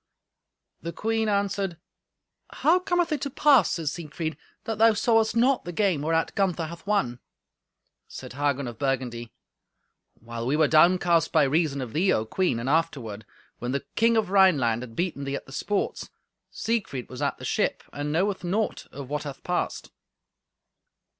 The queen answered, "How cometh it to pass, Sir Siegfried, that thou sawest not the game whereat Gunther hath won?" Said Hagen of Burgundy, "While we were downcast by reason of thee, O Queen, and afterward, when the king of Rhineland had beaten thee at the sports, Siegfried was at the ship, and knoweth naught of what hath passed."